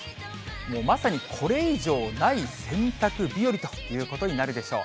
まさにこれ以上ない洗濯日和ということになるでしょう。